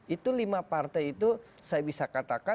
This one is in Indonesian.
itu lima partai itu saya bisa katakan